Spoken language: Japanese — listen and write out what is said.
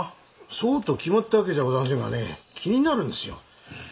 そうと決まった訳じゃござんせんがね気になるんですよ。